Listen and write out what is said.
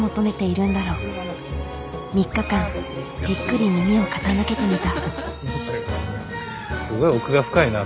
３日間じっくり耳を傾けてみた。